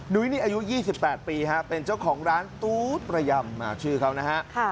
ุ้ยนี่อายุ๒๘ปีเป็นเจ้าของร้านตู๊ดประยำชื่อเขานะฮะ